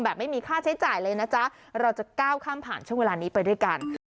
ไม่มีค่าใช้จ่ายเลยนะจ๊ะเราจะก้าวข้ามผ่านช่วงเวลานี้ไปด้วยกัน